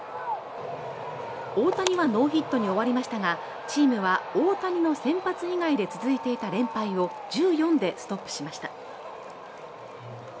大谷はノーヒットに終わりましたが、チームは大谷の先発以外で続いていた連敗を１４でストップしました。